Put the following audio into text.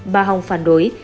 bà hồng phản đối